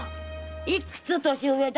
いくつ年上だ？